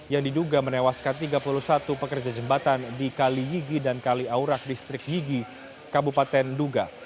yang diduga menewaskan tiga puluh satu pekerja jembatan di kalihigi dan kaliaurak distrik yigi kabupaten duga